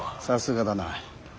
さすがだな。